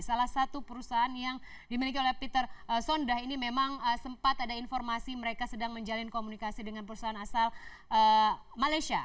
salah satu perusahaan yang dimiliki oleh peter sonda ini memang sempat ada informasi mereka sedang menjalin komunikasi dengan perusahaan asal malaysia